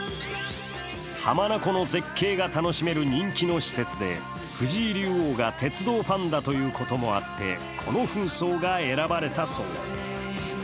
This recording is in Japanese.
浜名湖の絶景が楽しめる人気の施設で藤井竜王が鉄道ファンだということもあって、このふん装が選ばれたそう。